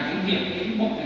cái hệ thống này